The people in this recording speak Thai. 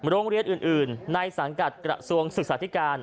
โรงเรียนอื่นในสังกัดกระทรวงศึกษาธิการ